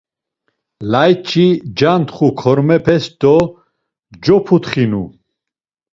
Layç̌i cantxu kormepes do coputxinu.